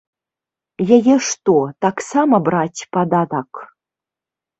Яе што, таксама браць падатак?